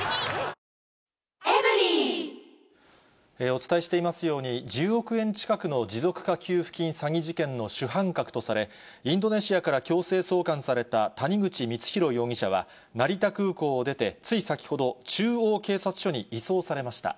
お伝えしていますように、１０億円近くの持続化給付金詐欺事件の主犯格とされ、インドネシアから強制送還された谷口光弘容疑者は、成田空港を出て、つい先ほど、中央警察署に移送されました。